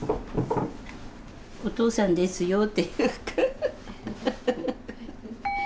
おとうさんですよって。